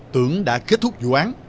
tưởng đã kết thúc vụ án